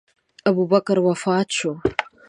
ابوبکر وفات شو.